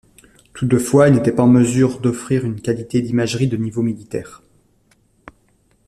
Toutefois, il n'était pas en mesure d'offrir une qualité d'imagerie de niveau militaire.